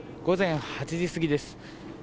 午前８時過ぎです。